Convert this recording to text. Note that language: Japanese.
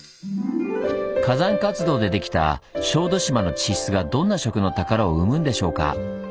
火山活動でできた小豆島の地質がどんな「食の宝」を生むんでしょうか。